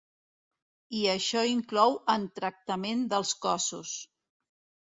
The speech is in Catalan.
I això inclou en tractament dels cossos.